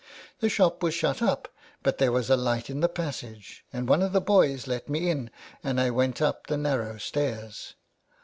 The shop was shutting up, but there was a light in the passage, and one of the boys let me in and I went up the narrow stairs."